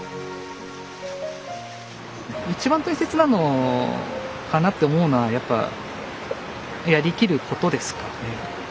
一番大切なのかなって思うのはやっぱやりきることですかね。